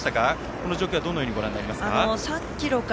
この状況はどのようにご覧になりますか？